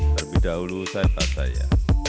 terlebih dahulu saya tak saya